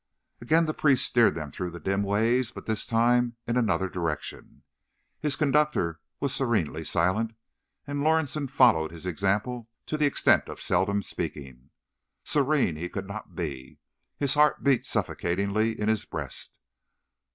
Again the priest steered them through the dim ways, but this time in another direction. His conductor was serenely silent, and Lorison followed his example to the extent of seldom speaking. Serene he could not be. His heart beat suffocatingly in his breast.